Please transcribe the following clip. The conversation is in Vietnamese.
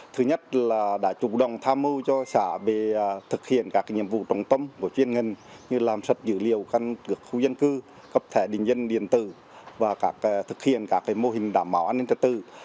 thứ nhất là đã chủ động tham mưu cho xã về thực hiện các nhiệm vụ trọng tâm của chuyên ngân như làm sạch dữ liệu khu dân cư cấp thẻ định dân điện tử và thực hiện các mô hình đảm bảo an ninh trật tự